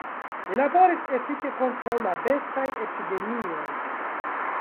Li laboris efike kontraŭ la bestaj epidemioj.